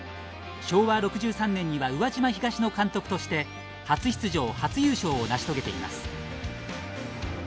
昭和６３年には宇和島東の監督として初出場初優勝を成し遂げています。